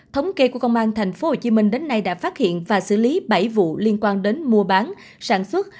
thống kê của công an tp hcm đến nay đã phát hiện và xử lý bảy vụ liên quan đến mua bán sản xuất